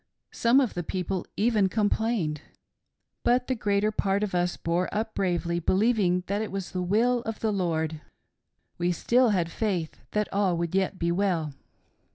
Some of the people even com plained, but the greater part of us bore up bravely, believing that it was the will of the Lord. We still had faith that all' would yet be well.